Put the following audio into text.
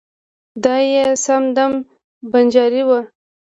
دای یې سم دم بنجارۍ و.